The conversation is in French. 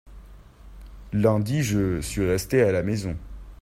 lundi je suis resté à la maison.